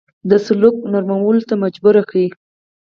د سلوک نرمولو ته مجبور کړ.